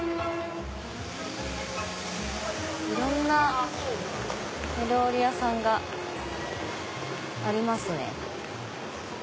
いろんなお料理屋さんがありますね。